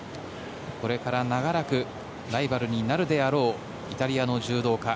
これから長らくライバルになるであろうイタリアの柔道家。